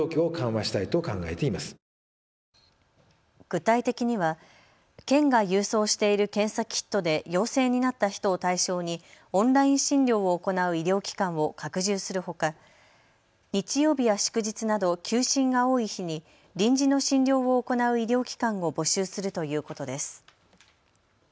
具体的には県が郵送している検査キットで陽性になった人を対象にオンライン診療を行う医療機関を拡充するほか、日曜日や祝日など休診が多い日に臨時の診療を行う医療機関を募集するということです。